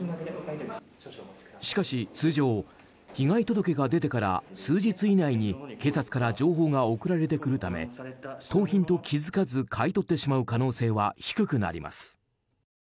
しかし通常被害届が出てから数日以内に警察から情報が送られてくるため盗品と気づかず買い取ってしまう可能性は低くなります。